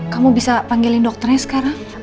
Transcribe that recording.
kamu bisa panggilin dokternya sekarang